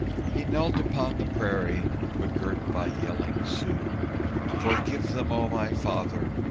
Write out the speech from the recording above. He knelt upon the prairie, begirt by yelling Sioux. "Forgive them, oh, my Father!